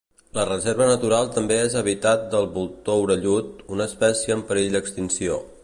La reserva natural també és habitat del voltor orellut, una espècie en perill d'extinció.